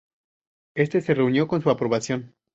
Este se reunió con su aprobación.